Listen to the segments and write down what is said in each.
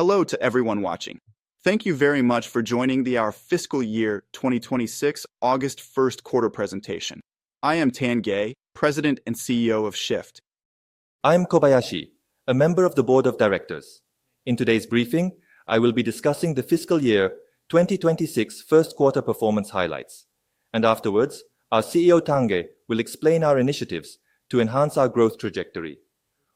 Hello to everyone watching. Thank you very much for joining the fiscal year 2026 August 1st quarter presentation. I am Masaru Tange, President and CEO of SHIFT. I am Kobayashi, a member of the Board of Directors. In today's briefing, I will be discussing the fiscal year 2026 first quarter performance highlights, and afterwards, our CEO Tange will explain our initiatives to enhance our growth trajectory.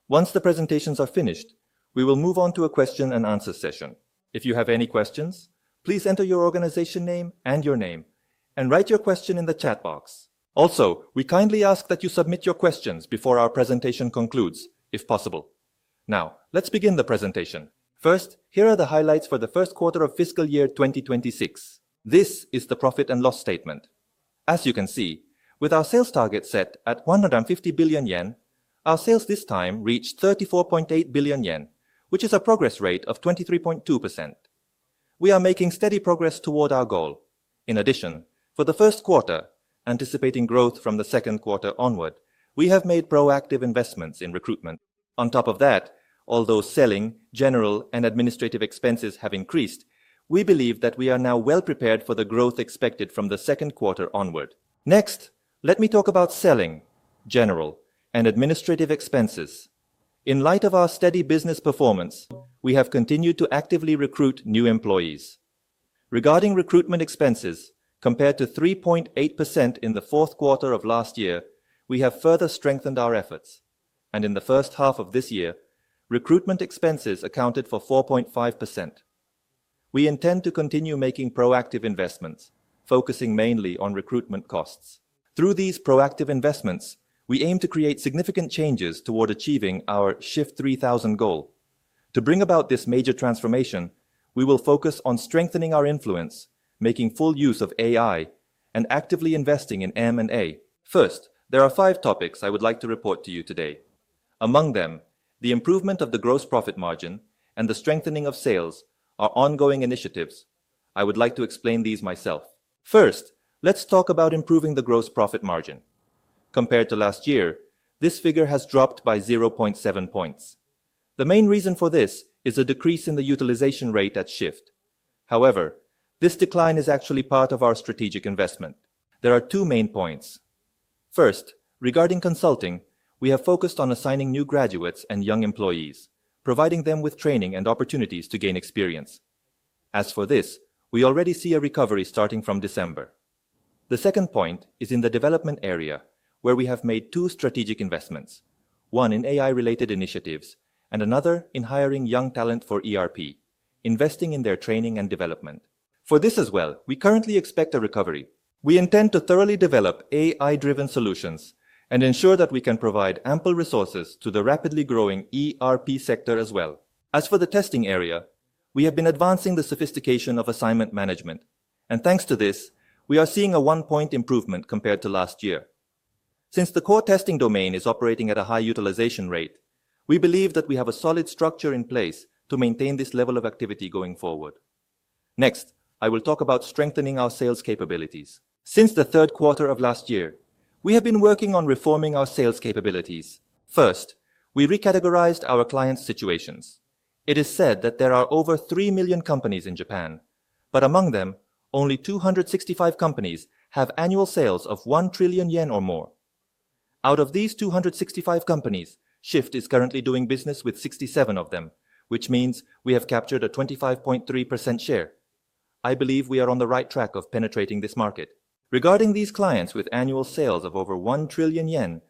Once the presentations are finished, we will move on to a question-and-answer session. If you have any questions, please enter your organization name and your name, and write your question in the chat box. Also, we kindly ask that you submit your questions before our presentation concludes, if possible. Now, let's begin the presentation. First, here are the highlights for the first quarter of fiscal year 2026. This is the profit and loss statement. As you can see, with our sales target set at 150 billion yen, our sales this time reached 34.8 billion yen, which is a progress rate of 23.2%. We are making steady progress toward our goal. In addition, for the first quarter, anticipating growth from the second quarter onward, we have made proactive investments in recruitment. On top of that, although selling, general, and administrative expenses have increased, we believe that we are now well-prepared for the growth expected from the second quarter onward. Next, let me talk about selling, general, and administrative expenses. In light of our steady business performance, we have continued to actively recruit new employees. Regarding recruitment expenses, compared to 3.8% in the fourth quarter of last year, we have further strengthened our efforts, and in the first half of this year, recruitment expenses accounted for 4.5%. We intend to continue making proactive investments, focusing mainly on recruitment costs. Through these proactive investments, we aim to create significant changes toward achieving our SHIFT 3000 goal. To bring about this major transformation, we will focus on strengthening our influence, making full use of AI, and actively investing in M&A. First, there are five topics I would like to report to you today. Among them, the improvement of the gross profit margin and the strengthening of sales are ongoing initiatives. I would like to explain these myself. First, let's talk about improving the gross profit margin. Compared to last year, this figure has dropped by 0.7 points. The main reason for this is a decrease in the utilization rate at SHIFT. However, this decline is actually part of our strategic investment. There are two main points. First, regarding consulting, we have focused on assigning new graduates and young employees, providing them with training and opportunities to gain experience. As for this, we already see a recovery starting from December. The second point is in the development area, where we have made two strategic investments: one in AI-related initiatives and another in hiring young talent for ERP, investing in their training and development. For this as well, we currently expect a recovery. We intend to thoroughly develop AI-driven solutions and ensure that we can provide ample resources to the rapidly growing ERP sector as well. As for the testing area, we have been advancing the sophistication of assignment management, and thanks to this, we are seeing a one-point improvement compared to last year. Since the core testing domain is operating at a high utilization rate, we believe that we have a solid structure in place to maintain this level of activity going forward. Next, I will talk about strengthening our sales capabilities. Since the third quarter of last year, we have been working on reforming our sales capabilities. First, we recategorized our clients' situations. It is said that there aree over three million companies in Japan, but among them, only 265 companies have annual sales of one trillion yen or more. Out of these 265 companies, SHIFT is currently doing business with 67 of them, which means we have captured a 25.3% share. I believe we are on the right track of penetrating this market. Regarding these clients with annual sales of over one trillion yen,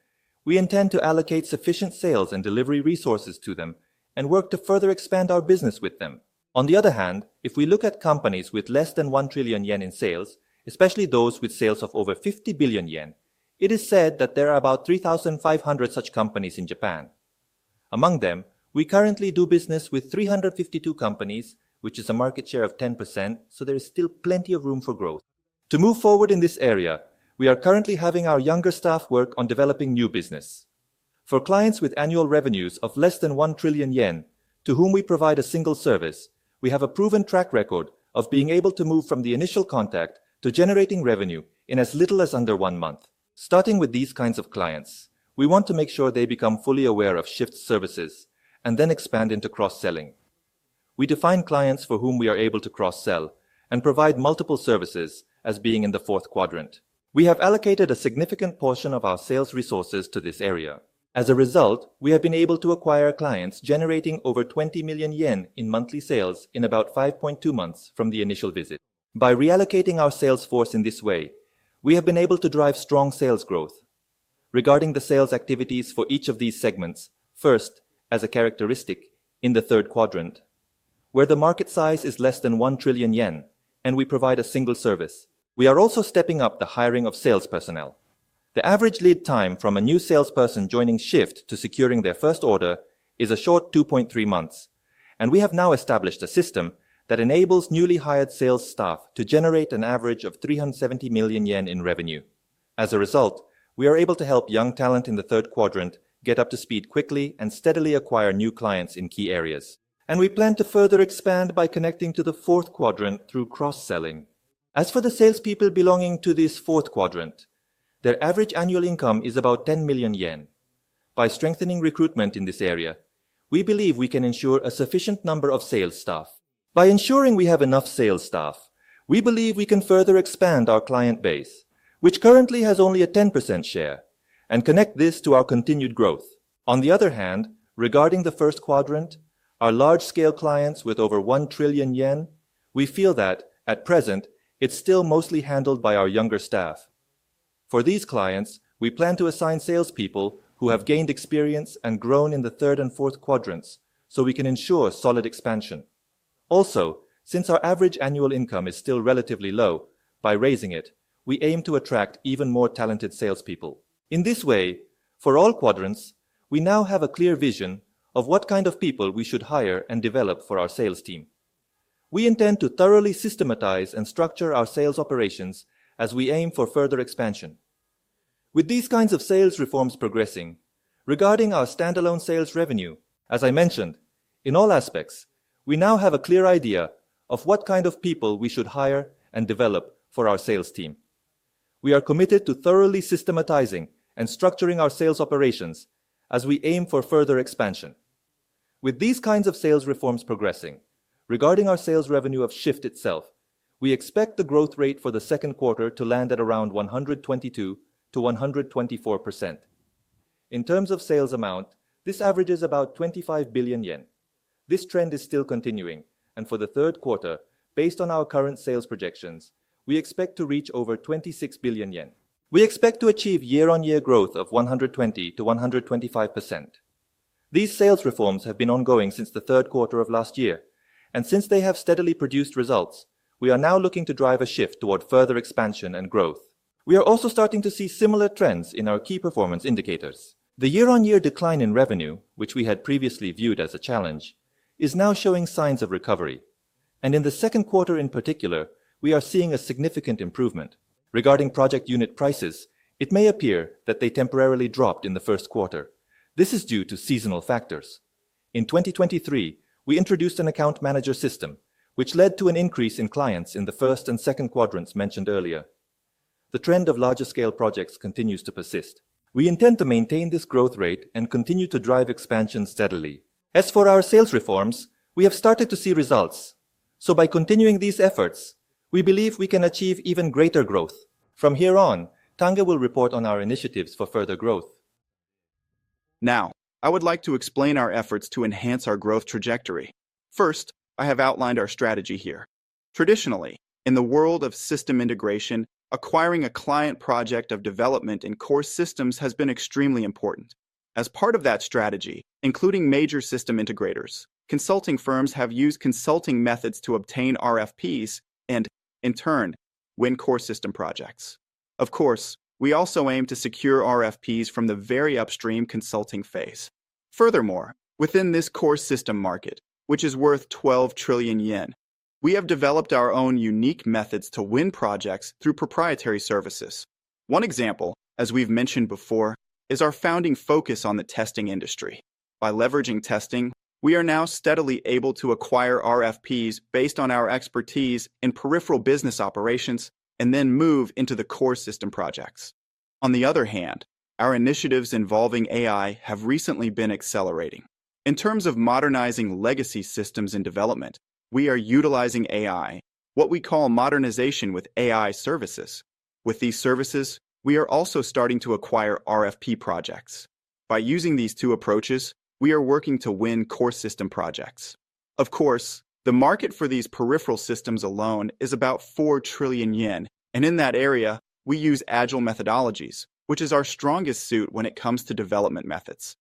we intend to allocate sufficient sales and delivery resources to them and work to further expand our business with them. On the other hand, if we look at companies with less than one trillion yen in sales, especially those with sales of over 50 billion yen, it is said that there are about 3,500 such companies in Japan. Among them, we currently do business with 352 companies, which is a market share of 10%, so there is still plenty of room for growth. To move forward in this area, we are currently having our younger staff work on developing new business. For clients with annual revenues of less than 1 trillion yen, to whom we provide a single service, we have a proven track record of being able to move from the initial contact to generating revenue in as little as under one month. Starting with these kinds of clients, we want to make sure they become fully aware of SHIFT's services and then expand into cross-selling. We define clients for whom we are able to cross-sell and provide multiple services as being in the fourth quadrant. We have allocated a significant portion of our sales resources to this area. As a result, we have been able to acquire clients generating over 20 million yen in monthly sales in about 5.2 months from the initial visit. By reallocating our sales force in this way, we have been able to drive strong sales growth. Regarding the sales activities for each of these segments, first, as a characteristic, in the third quadrant, where the market size is less than 1 trillion yen, and we provide a single service. We are also stepping up the hiring of sales personnel. The average lead time from a new salesperson joining SHIFT to securing their first order is a short 2.3 months, and we have now established a system that enables newly hired sales staff to generate an average of 370 million yen in revenue. As a result, we are able to help young talent in the third quadrant get up to speed quickly and steadily acquire new clients in key areas. And we plan to further expand by connecting to the fourth quadrant through cross-selling. As for the salespeople belonging to this fourth quadrant, their average annual income is about 10 million yen. By strengthening recruitment in this area, we believe we can ensure a sufficient number of sales staff. By ensuring we have enough sales staff, we believe we can further expand our client base, which currently has only a 10% share, and connect this to our continued growth. On the other hand, regarding the first quadrant, our large-scale clients with over 1 trillion yen, we feel that, at present, it's still mostly handled by our younger staff. For these clients, we plan to assign salespeople who have gained experience and grown in the third and fourth quadrants, so we can ensure solid expansion. Also, since our average annual income is still relatively low, by raising it, we aim to attract even more talented salespeople. In this way, for all quadrants, we now have a clear vision of what kind of people we should hire and develop for our sales team. We intend to thoroughly systematize and structure our sales operations as we aim for further expansion. With these kinds of sales reforms progressing, regarding our standalone sales revenue, as I mentioned, in all aspects, we now have a clear idea of what kind of people we should hire and develop for our sales team. We are committed to thoroughly systematizing and structuring our sales operations as we aim for further expansion. With these kinds of sales reforms progressing, regarding our sales revenue of SHIFT itself, we expect the growth rate for the second quarter to land at around 122%-124%. In terms of sales amount, this averages about 25 billion yen. This trend is still continuing, and for the third quarter, based on our current sales projections, we expect to reach over 26 billion yen. We expect to achieve year-on-year growth of 120%-125%. These sales reforms have been ongoing since the third quarter of last year, and since they have steadily produced results, we are now looking to drive a shift toward further expansion and growth. We are also starting to see similar trends in our key performance indicators. The year-on-year decline in revenue, which we had previously viewed as a challenge, is now showing signs of recovery, and in the second quarter in particular, we are seeing a significant improvement. Regarding project unit prices, it may appear that they temporarily dropped in the first quarter. This is due to seasonal factors. In 2023, we introduced an account manager system, which led to an increase in clients in the first and second quarters mentioned earlier. The trend of larger-scale projects continues to persist. We intend to maintain this growth rate and continue to drive expansion steadily. As for our sales reforms, we have started to see results, so by continuing these efforts, we believe we can achieve even greater growth. From here on, Tange will report on our initiatives for further growth. Now, I would like to explain our efforts to enhance our growth trajectory. First, I have outlined our strategy here. Traditionally, in the world of system integration, acquiring a client project of development in core systems has been extremely important. As part of that strategy, including major system integrators, consulting firms have used consulting methods to obtain RFPs and, in turn, win core system projects. Of course, we also aim to secure RFPs from the very upstream consulting phase. Furthermore, within this core system market, which is worth 12 trillion yen, we have developed our own unique methods to win projects through proprietary services. One example, as we've mentioned before, is our founding focus on the testing industry. By leveraging testing, we are now steadily able to acquire RFPs based on our expertise in peripheral business operations and then move into the core system projects. On the other hand, our initiatives involving AI have recently been accelerating. In terms of modernizing legacy systems in development, we are utilizing AI, what we call Modernization with AI services. With these services, we are also starting to acquire RFP projects. By using these two approaches, we are working to win core system projects. Of course, the market for these peripheral systems alone is about 4 trillion yen, and in that area, we use agile methodologies, which is our strongest suit when it comes to development methods.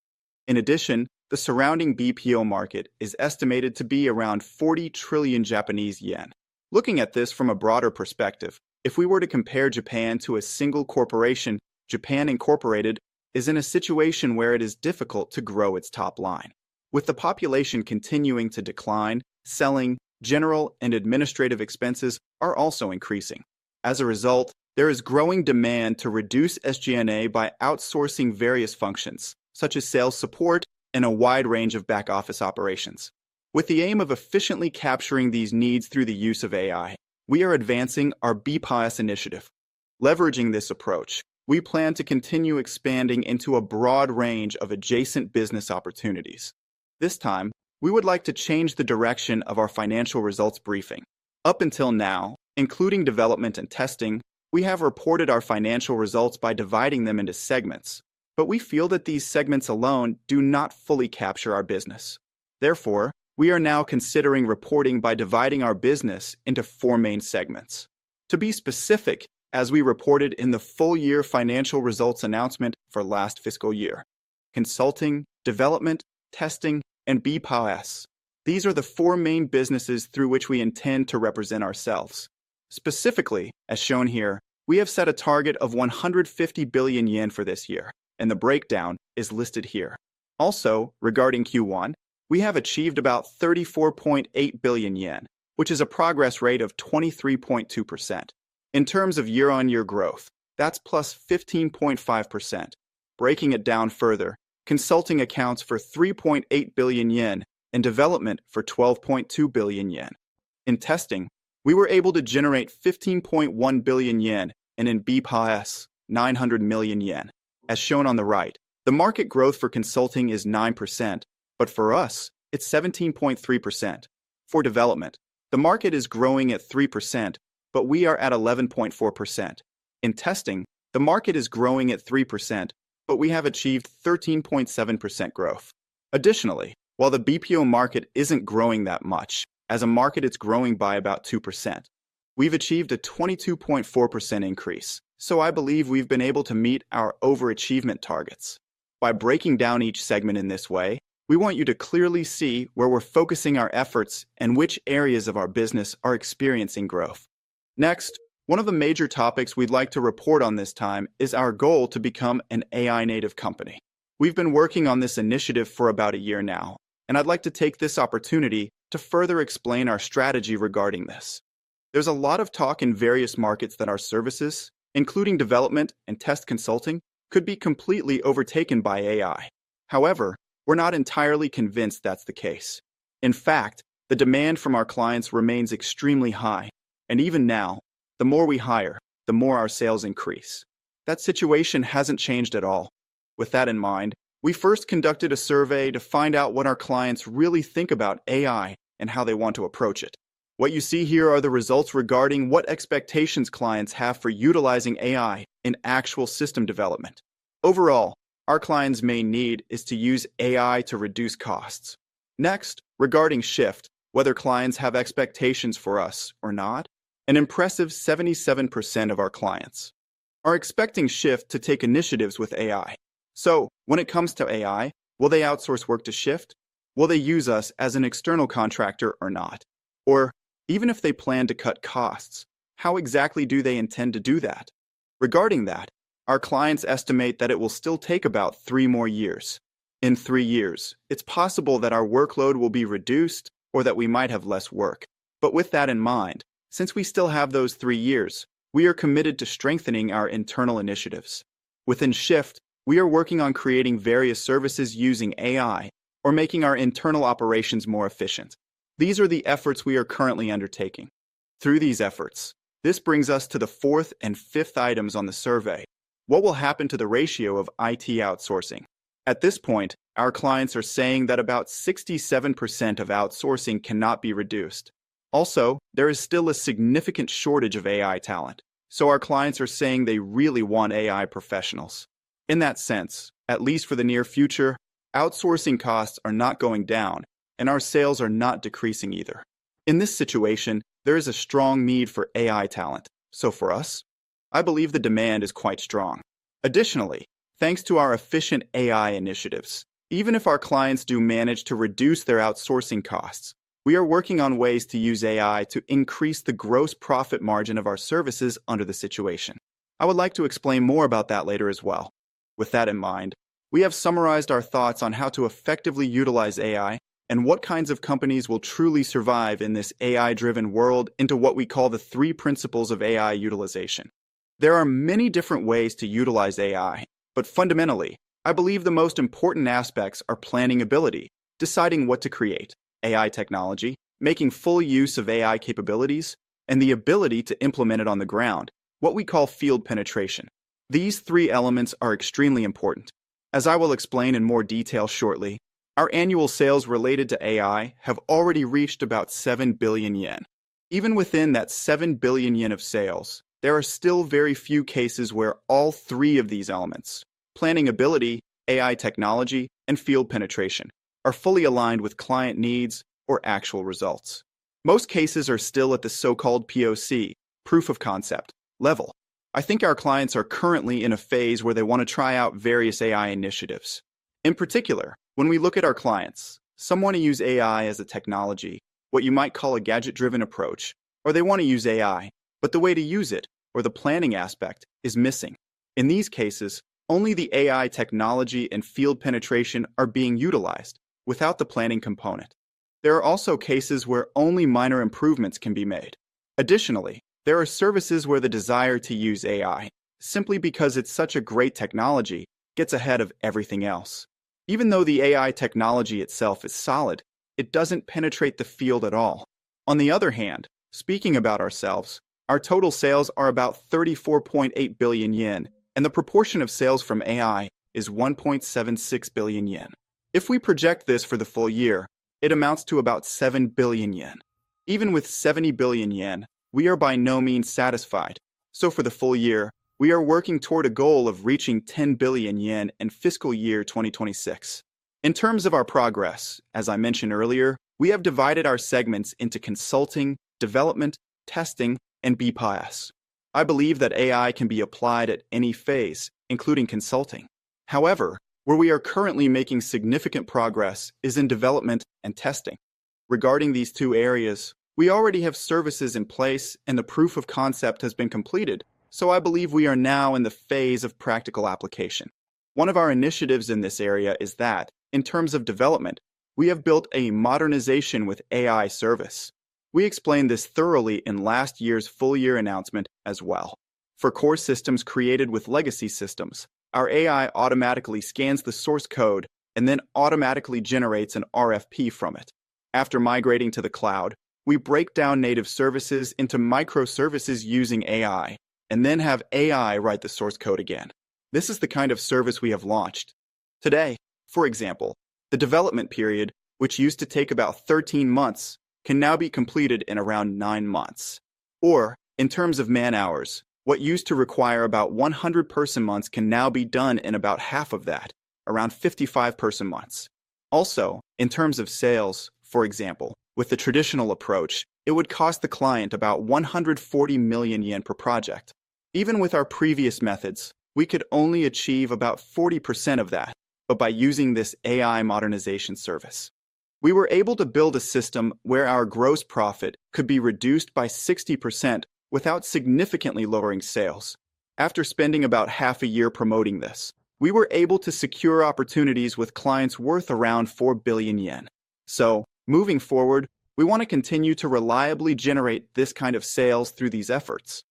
In addition, the surrounding BPO market is estimated to be around 40 trillion Japanese yen. Looking at this from a broader perspective, if we were to compare Japan to a single corporation, Japan Incorporated is in a situation where it is difficult to grow its top line. With the population continuing to decline, selling, general, and administrative expenses are also increasing. As a result, there is growing demand to reduce SG&A by outsourcing various functions, such as sales support and a wide range of back-office operations. With the aim of efficiently capturing these needs through the use of AI, we are advancing our BPIOS initiative. Leveraging this approach, we plan to continue expanding into a broad range of adjacent business opportunities. This time, we would like to change the direction of our financial results briefing. Up until now, including development and testing, we have reported our financial results by dividing them into segments, but we feel that these segments alone do not fully capture our business. Therefore, we are now considering reporting by dividing our business into four main segments. To be specific, as we reported in the full-year financial results announcement for last fiscal year: consulting, development, testing, and BPIOS. These are the four main businesses through which we intend to represent ourselves. Specifically, as shown here, we have set a target of 150 billion yen for this year, and the breakdown is listed here. Also, regarding Q1, we have achieved about 34.8 billion yen, which is a progress rate of 23.2%. In terms of year-on-year growth, that's plus 15.5%. Breaking it down further, consulting accounts for 3.8 billion yen and development for 12.2 billion yen. In testing, we were able to generate 15.1 billion yen and in BPIOS, 900 million yen. As shown on the right, the market growth for consulting is 9%, but for us, it's 17.3%. For development, the market is growing at 3%, but we are at 11.4%. In testing, the market is growing at 3%, but we have achieved 13.7% growth. Additionally, while the BPO market isn't growing that much, as a market it's growing by about 2%, we've achieved a 22.4% increase, so I believe we've been able to meet our overachievement targets. By breaking down each segment in this way, we want you to clearly see where we're focusing our efforts and which areas of our business are experiencing growth. Next, one of the major topics we'd like to report on this time is our goal to become an AI-native company. We've been working on this initiative for about a year now, and I'd like to take this opportunity to further explain our strategy regarding this. There's a lot of talk in various markets that our services, including development and test consulting, could be completely overtaken by AI. However, we're not entirely convinced that's the case. In fact, the demand from our clients remains extremely high, and even now, the more we hire, the more our sales increase. That situation hasn't changed at all. With that in mind, we first conducted a survey to find out what our clients really think about AI and how they want to approach it. What you see here are the results regarding what expectations clients have for utilizing AI in actual system development. Overall, our clients' main need is to use AI to reduce costs. Next, regarding SHIFT, whether clients have expectations for us or not, an impressive 77% of our clients are expecting SHIFT to take initiatives with AI. So, when it comes to AI, will they outsource work to SHIFT? Will they use us as an external contractor or not? Or, even if they plan to cut costs, how exactly do they intend to do that? Regarding that, our clients estimate that it will still take about three more years. In three years, it's possible that our workload will be reduced or that we might have less work. But with that in mind, since we still have those three years, we are committed to strengthening our internal initiatives. Within SHIFT, we are working on creating various services using AI or making our internal operations more efficient. These are the efforts we are currently undertaking. Through these efforts, this brings us to the fourth and fifth items on the survey: what will happen to the ratio of IT outsourcing? At this point, our clients are saying that about 67% of outsourcing cannot be reduced. Also, there is still a significant shortage of AI talent, so our clients are saying they really want AI professionals. In that sense, at least for the near future, outsourcing costs are not going down, and our sales are not decreasing either. In this situation, there is a strong need for AI talent, so for us, I believe the demand is quite strong. Additionally, thanks to our efficient AI initiatives, even if our clients do manage to reduce their outsourcing costs, we are working on ways to use AI to increase the gross profit margin of our services under the situation. I would like to explain more about that later as well. With that in mind, we have summarized our thoughts on how to effectively utilize AI and what kinds of companies will truly survive in this AI-driven world into what we call the three principles of AI utilization. There are many different ways to utilize AI, but fundamentally, I believe the most important aspects are planning ability, deciding what to create, AI technology, making full use of AI capabilities, and the ability to implement it on the ground, what we call field penetration. These three elements are extremely important. As I will explain in more detail shortly, our annual sales related to AI have already reached about 7 billion yen. Even within that 7 billion yen of sales, there are still very few cases where all three of these elements, planning ability, AI technology, and field penetration, are fully aligned with client needs or actual results. Most cases are still at the so-called POC, proof of concept, level. I think our clients are currently in a phase where they want to try out various AI initiatives. In particular, when we look at our clients, some want to use AI as a technology, what you might call a gadget-driven approach, or they want to use AI, but the way to use it or the planning aspect is missing. In these cases, only the AI technology and field penetration are being utilized, without the planning component. There are also cases where only minor improvements can be made. Additionally, there are services where the desire to use AI, simply because it's such a great technology, gets ahead of everything else. Even though the AI technology itself is solid, it doesn't penetrate the field at all. On the other hand, speaking about ourselves, our total sales are about 34.8 billion yen, and the proportion of sales from AI is 1.76 billion yen. If we project this for the full year, it amounts to about 7 billion yen. Even with 70 billion yen, we are by no means satisfied, so for the full year, we are working toward a goal of reaching 10 billion yen in fiscal year 2026. In terms of our progress, as I mentioned earlier, we have divided our segments into consulting, development, testing, and BPIOS. I believe that AI can be applied at any phase, including consulting. However, where we are currently making significant progress is in development and testing. Regarding these two areas, we already have services in place and the proof of concept has been completed, so I believe we are now in the phase of practical application. One of our initiatives in this area is that, in terms of development, we have built a modernization with AI service. We explained this thoroughly in last year's full-year announcement as well. For core systems created with legacy systems, our AI automatically scans the source code and then automatically generates an RFP from it. After migrating to the cloud, we break down native services into microservices using AI and then have AI write the source code again. This is the kind of service we have launched. Today, for example, the development period, which used to take about 13 months, can now be completed in around 9 months. Or, in terms of man-hours, what used to require about 100 person-months can now be done in about half of that, around 55 person-months. Also, in terms of sales, for example, with the traditional approach, it would cost the client about 140 million yen per project. Even with our previous methods, we could only achieve about 40% of that, but by using this AI modernization service, we were able to build a system where our gross profit could be reduced by 60% without significantly lowering sales. After spending about half a year promoting this, we were able to secure opportunities with clients worth around 4 billion yen. So, moving forward, we want to continue to reliably generate this kind of sales through these efforts.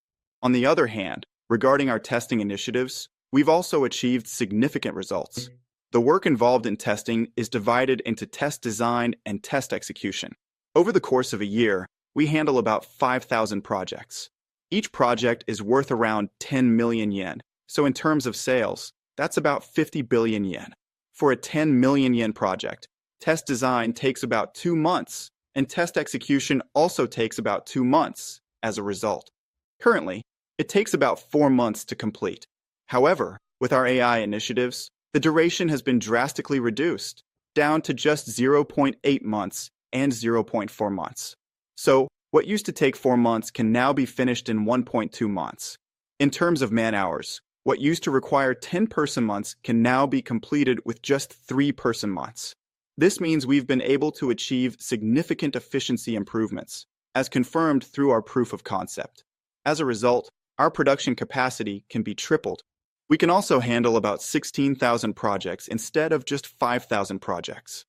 On the other hand, regarding our testing initiatives, we've also achieved significant results. The work involved in testing is divided into test design and test execution. Over the course of a year, we handle about 5,000 projects. Each project is worth around 10 million yen, so in terms of sales, that's about 50 billion yen. For a 10 million yen project, test design takes about two months, and test execution also takes about two months as a result. Currently, it takes about four months to complete. However, with our AI initiatives, the duration has been drastically reduced, down to just 0.8 months and 0.4 months. So, what used to take four months can now be finished in 1.2 months. In terms of man-hours, what used to require 10 person-months can now be completed with just three person-months. This means we've been able to achieve significant efficiency improvements, as confirmed through our proof of concept. As a result, our production capacity can be tripled. We can also handle about 16,000 projects instead of just 5,000 projects.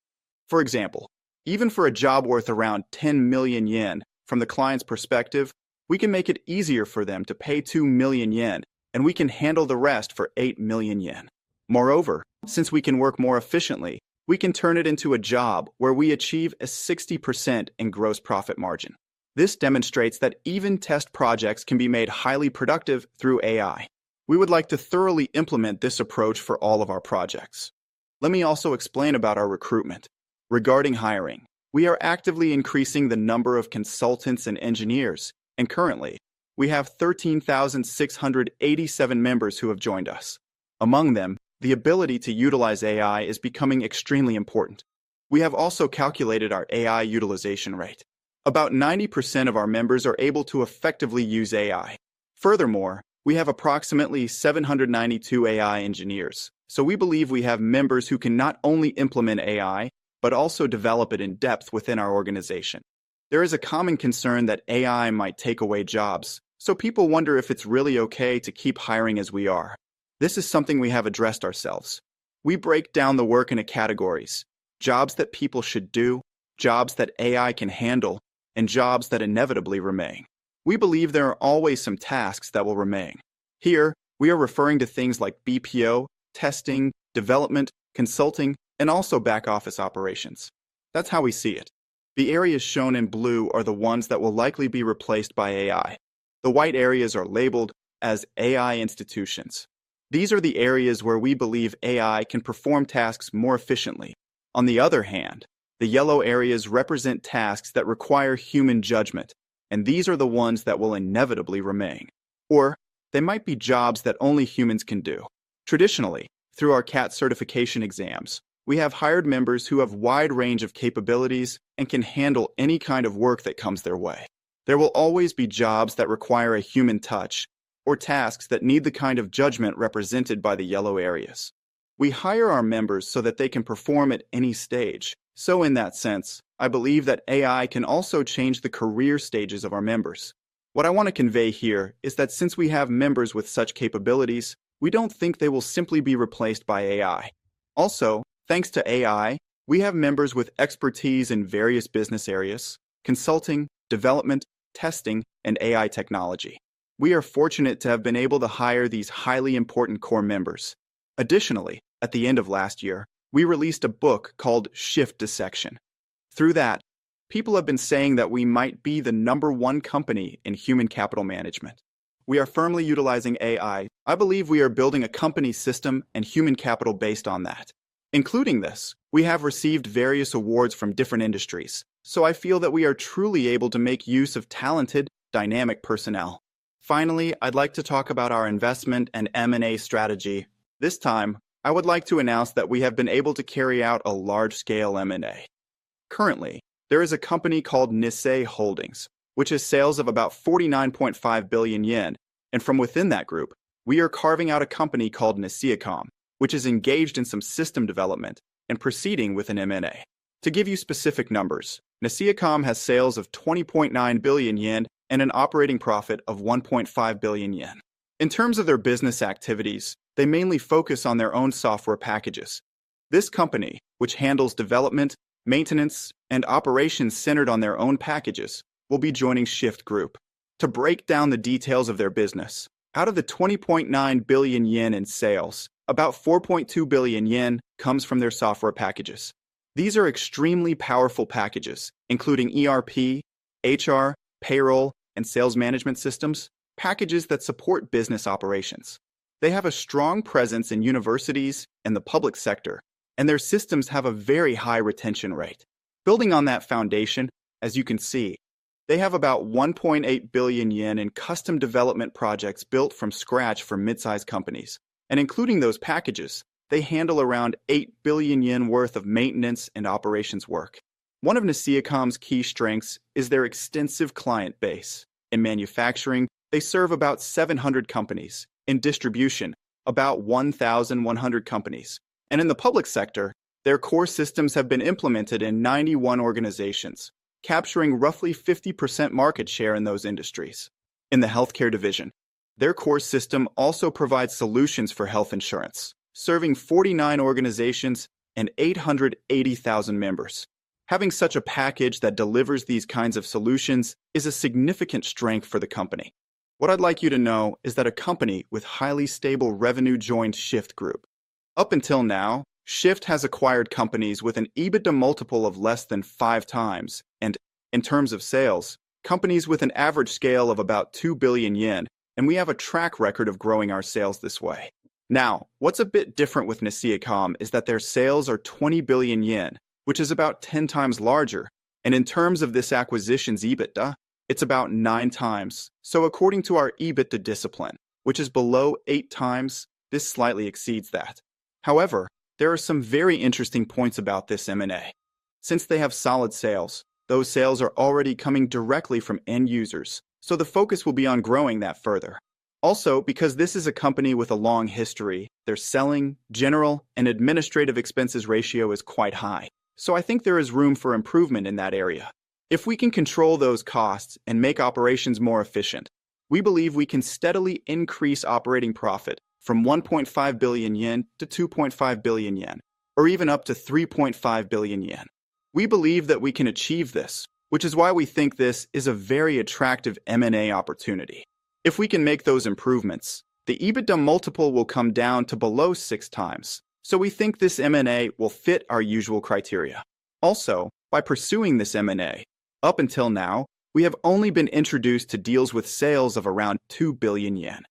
For example, even for a job worth around 10 million yen, from the client's perspective, we can make it easier for them to pay 2 million yen, and we can handle the rest for 8 million yen. Moreover, since we can work more efficiently, we can turn it into a job where we achieve a 60% in gross profit margin. This demonstrates that even test projects can be made highly productive through AI. We would like to thoroughly implement this approach for all of our projects. Let me also explain about our recruitment. Regarding hiring, we are actively increasing the number of consultants and engineers, and currently, we have 13,687 members who have joined us. Among them, the ability to utilize AI is becoming extremely important. We have also calculated our AI utilization rate. About 90% of our members are able to effectively use AI. Furthermore, we have approximately 792 AI engineers, so we believe we have members who can not only implement AI but also develop it in depth within our organization. There is a common concern that AI might take away jobs, so people wonder if it's really okay to keep hiring as we are. This is something we have addressed ourselves. We break down the work into categories: jobs that people should do, jobs that AI can handle, and jobs that inevitably remain. We believe there are always some tasks that will remain. Here, we are referring to things like BPO, testing, development, consulting, and also back office operations. That's how we see it. The areas shown in blue are the ones that will likely be replaced by AI. The white areas are labeled as AI institutions. These are the areas where we believe AI can perform tasks more efficiently. On the other hand, the yellow areas represent tasks that require human judgment, and these are the ones that will inevitably remain. Or, they might be jobs that only humans can do. Traditionally, through our CAT certification exams, we have hired members who have a wide range of capabilities and can handle any kind of work that comes their way. There will always be jobs that require a human touch or tasks that need the kind of judgment represented by the yellow areas. We hire our members so that they can perform at any stage. So, in that sense, I believe that AI can also change the career stages of our members. What I want to convey here is that since we have members with such capabilities, we don't think they will simply be replaced by AI. Also, thanks to AI, we have members with expertise in various business areas, consulting, development, testing, and AI technology. We are fortunate to have been able to hire these highly important core members. Additionally, at the end of last year, we released a book called SHIFT Dissection. Through that, people have been saying that we might be the number one company in human capital management. We are firmly utilizing AI. I believe we are building a company system and human capital based on that. Including this, we have received various awards from different industries, so I feel that we are truly able to make use of talented, dynamic personnel. Finally, I'd like to talk about our investment and M&A strategy. This time, I would like to announce that we have been able to carry out a large-scale M&A. Currently, there is a company called Nissei Holdings, which has sales of about 49.5 billion yen, and from within that group, we are carving out a company called Nisseacom, which is engaged in some system development and proceeding with an M&A. To give you specific numbers, Nisseacom has sales of 20.9 billion yen and an operating profit of 1.5 billion yen. In terms of their business activities, they mainly focus on their own software packages. This company, which handles development, maintenance, and operations centered on their own packages, will be joining SHIFT Group. To break down the details of their business, out of the 20.9 billion yen in sales, about 4.2 billion yen comes from their software packages. These are extremely powerful packages, including ERP, HR, payroll, and sales management systems, packages that support business operations. They have a strong presence in universities and the public sector, and their systems have a very high retention rate. Building on that foundation, as you can see, they have about 1.8 billion yen in custom development projects built from scratch for mid-sized companies, and including those packages, they handle around 8 billion yen worth of maintenance and operations work. One of Nisseacom's key strengths is their extensive client base. In manufacturing, they serve about 700 companies, in distribution, about 1,100 companies, and in the public sector, their core systems have been implemented in 91 organizations, capturing roughly 50% market share in those industries. In the healthcare division, their core system also provides solutions for health insurance, serving 49 organizations and 880,000 members. Having such a package that delivers these kinds of solutions is a significant strength for the company. What I'd like you to know is that a company with highly stable revenue joined SHIFT Group. Up until now, SHIFT has acquired companies with an EBITDA multiple of less than five times, and in terms of sales, companies with an average scale of about 2 billion yen, and we have a track record of growing our sales this way. Now, what's a bit different with Nisseacom is that their sales are 20 billion yen, which is about 10 times larger, and in terms of this acquisition's EBITDA, it's about nine times, so according to our EBITDA discipline, which is below eight times, this slightly exceeds that. However, there are some very interesting points about this M&A. Since they have solid sales, those sales are already coming directly from end users, so the focus will be on growing that further. Also, because this is a company with a long history, their selling, general, and administrative expenses ratio is quite high, so I think there is room for improvement in that area. If we can control those costs and make operations more efficient, we believe we can steadily increase operating profit from 1.5 billion-2.5 billion yen, or even up to 3.5 billion yen. We believe that we can achieve this, which is why we think this is a very attractive M&A opportunity. If we can make those improvements, the EBITDA multiple will come down to below 6 times, so we think this M&A will fit our usual criteria. Also, by pursuing this M&A, up until now, we have only been introduced to deals with sales of around 2 billion yen.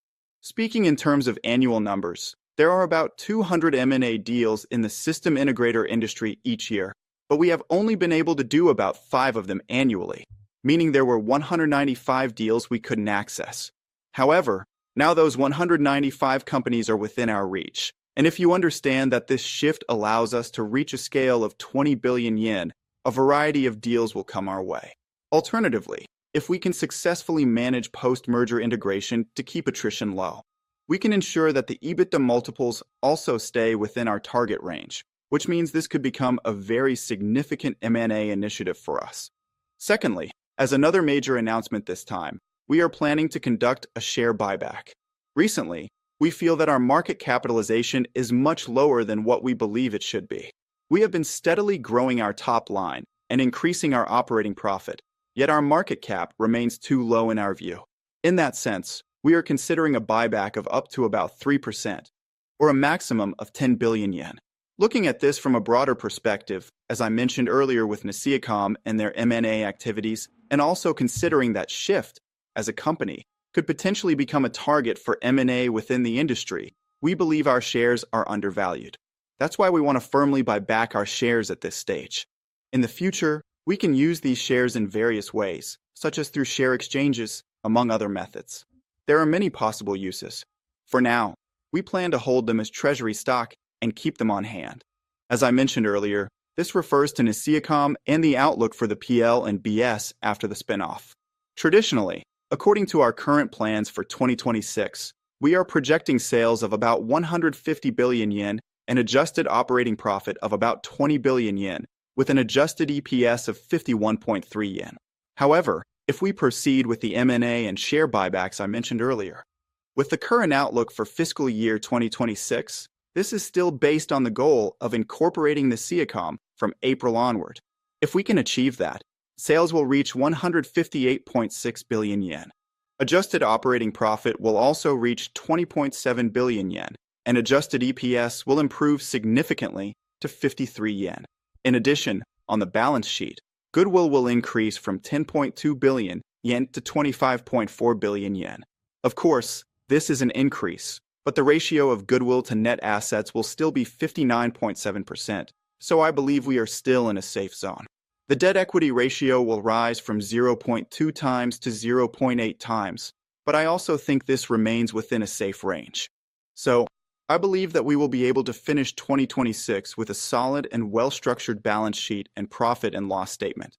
Speaking in terms of annual numbers, there are about 200 M&A deals in the system integrator industry each year, but we have only been able to do about five of them annually, meaning there were 195 deals we couldn't access. However, now those 195 companies are within our reach, and if you understand that this shift allows us to reach a scale of 20 billion yen, a variety of deals will come our way. Alternatively, if we can successfully manage post-merger integration to keep attrition low, we can ensure that the EBITDA multiples also stay within our target range, which means this could become a very significant M&A initiative for us. Secondly, as another major announcement this time, we are planning to conduct a share buyback. Recently, we feel that our market capitalization is much lower than what we believe it should be. We have been steadily growing our top line and increasing our operating profit, yet our market cap remains too low in our view. In that sense, we are considering a buyback of up to about 3%, or a maximum of 10 billion yen. Looking at this from a broader perspective, as I mentioned earlier with Nisseacom and their M&A activities, and also considering that SHIFT, as a company, could potentially become a target for M&A within the industry, we believe our shares are undervalued. That's why we want to firmly buy back our shares at this stage. In the future, we can use these shares in various ways, such as through share exchanges, among other methods. There are many possible uses. For now, we plan to hold them as treasury stock and keep them on hand. As I mentioned earlier, this refers to Nisseacom and the outlook for the PL and BS after the spin-off. Traditionally, according to our current plans for 2026, we are projecting sales of about 150 billion yen and adjusted operating profit of about 20 billion yen, with an adjusted EPS of 51.3 yen. However, if we proceed with the M&A and share buybacks I mentioned earlier, with the current outlook for fiscal year 2026, this is still based on the goal of incorporating Nisseacom from April onward. If we can achieve that, sales will reach 158.6 billion yen. Adjusted operating profit will also reach 20.7 billion yen, and adjusted EPS will improve significantly to 53 yen. In addition, on the balance sheet, goodwill will increase from 10.2 billion-25.4 billion yen. Of course, this is an increase, but the ratio of goodwill to net assets will still be 59.7%, so I believe we are still in a safe zone. The debt-equity ratio will rise from 0.2 times to 0.8 times, but I also think this remains within a safe range. So, I believe that we will be able to finish 2026 with a solid and well-structured balance sheet and profit and loss statement.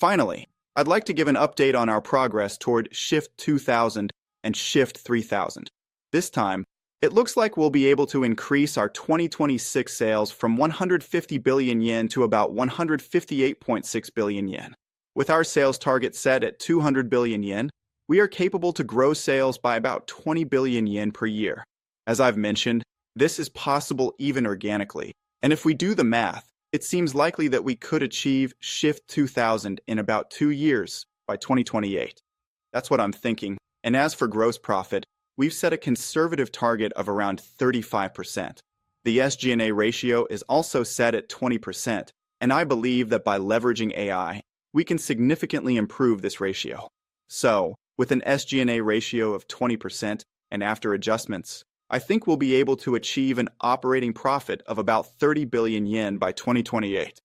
Finally, I'd like to give an update on our progress toward SHIFT 2000 and SHIFT 3000. This time, it looks like we'll be able to increase our 2026 sales from 150 billion yen to about 158.6 billion yen. With our sales target set at 200 billion yen, we are capable to grow sales by about 20 billion yen per year. As I've mentioned, this is possible even organically, and if we do the math, it seems likely that we could achieve SHIFT 2000 in about two years by 2028. That's what I'm thinking, and as for gross profit, we've set a conservative target of around 35%. The SG&A ratio is also set at 20%, and I believe that by leveraging AI, we can significantly improve this ratio. So, with an SG&A ratio of 20% and after adjustments, I think we'll be able to achieve an operating profit of about 30 billion yen by 2028.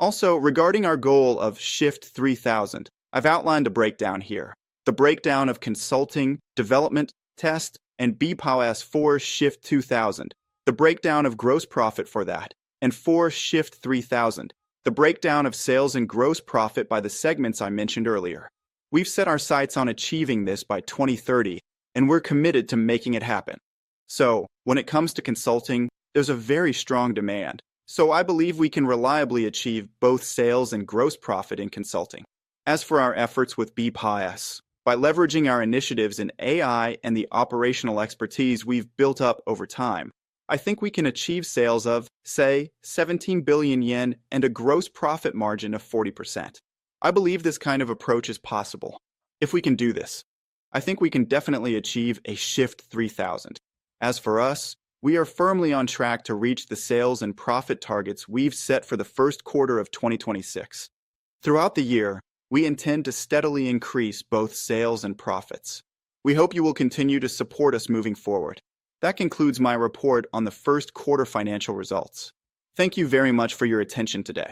Also, regarding our goal of SHIFT 3000, I've outlined a breakdown here: the breakdown of consulting, development, test, and BPIOS for SHIFT 2000, the breakdown of gross profit for that, and for SHIFT 3000, the breakdown of sales and gross profit by the segments I mentioned earlier. We've set our sights on achieving this by 2030, and we're committed to making it happen. So, when it comes to consulting, there's a very strong demand, so I believe we can reliably achieve both sales and gross profit in consulting. As for our efforts with BPIOS, by leveraging our initiatives in AI and the operational expertise we've built up over time, I think we can achieve sales of, say, 17 billion yen and a gross profit margin of 40%. I believe this kind of approach is possible. If we can do this, I think we can definitely achieve a SHIFT 3000. As for us, we are firmly on track to reach the sales and profit targets we've set for the first quarter of 2026. Throughout the year, we intend to steadily increase both sales and profits. We hope you will continue to support us moving forward. That concludes my report on the first quarter financial results. Thank you very much for your attention today.